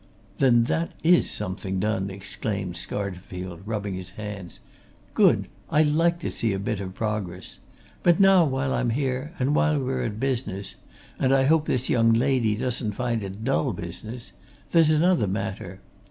"Then that is something done!" exclaimed Scarterfield, rubbing his hands. "Good! I like to see even a bit of progress. But now, while I'm here, and while we're at business and I hope this young lady doesn't find it dull business! there's another matter.